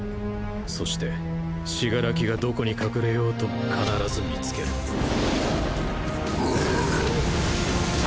そして死柄木がどこに隠れようとも必ず見つけるウォオーッ！